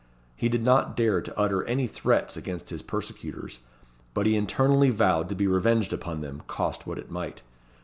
He did not dare to utter any threats against his persecutors, but he internally vowed to be revenged upon them cost what it might.